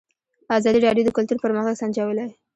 ازادي راډیو د کلتور پرمختګ سنجولی.